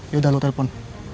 yaudah lu telpon